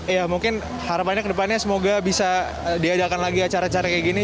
ya mungkin harapannya ke depannya semoga bisa diadakan lagi acara acara kayak gini